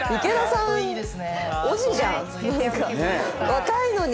若いのに。